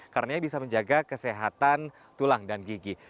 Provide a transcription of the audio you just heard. karena bisa menjaga kesehatan tulang dan gigi